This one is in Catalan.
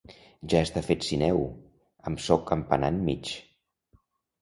Ja està fet Sineu, amb so campanar enmig.